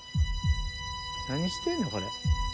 何してんのこれ。